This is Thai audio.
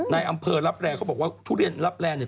ในอำเภอรับแร่เขาบอกว่าทุเรียนรับแร่เนี่ย